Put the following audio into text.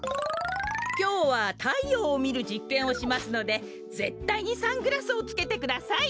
きょうはたいようをみるじっけんをしますのでぜったいにサングラスをつけてください。